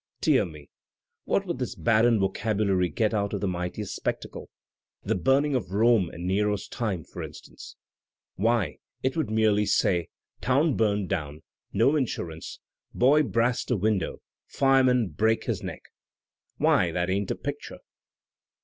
Dear me, what would this barren vocabu lary get out of the mightiest spectacle? — the burning of Rome in Nero's time, for instance? Why, it would merely say, *Town burned down; no insurance; boy brast a window; fireman brake his neck!' Why, that ain't a picture!"